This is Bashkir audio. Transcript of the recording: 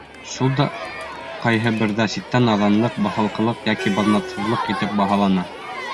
Шул да ҡайһы берҙә ситтән наҙанлыҡ, баҫалҡылыҡ йәки баҙнатһыҙлыҡ тип баһалана.